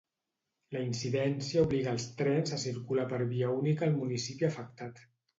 La incidència obliga els trens a circular per via única al municipi afectat.